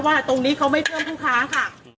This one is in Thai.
ตรงนี้เขาไม่เพิ่มผู้ค้าค่ะ